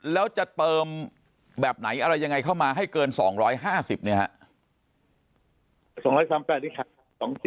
แล้วจะเติมแบบไหนอะไรยังไงเข้ามาให้เกิน๒๕๐เนี่ยครับ